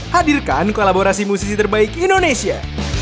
hadirkan kolaborasi musisi terbaik indonesia